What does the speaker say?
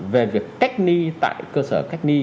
về việc cách ni tại cơ sở